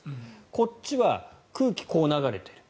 こっちは空気がこう流れている。